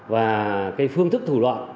và cái phương thức thủ loạn